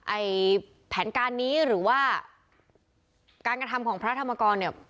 ไอ้แผนการนี้หรือว่าการกระทำของพระธรรมกรเนี่ย